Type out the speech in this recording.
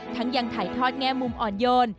ยังถ่ายทอดแง่มุมอ่อนโยน